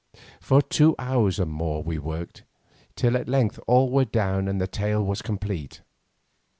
For two hours and more we worked, till at length all were down and the tale was complete.